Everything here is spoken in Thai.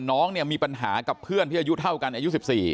น้องเนี่ยมีปัญหากับเพื่อนที่อายุเท่ากันอายุ๑๔